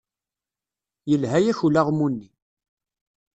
Yelha-yak ulaɣmu-nni.